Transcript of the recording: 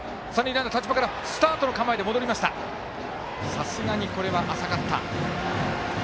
さすがに、これは浅かった。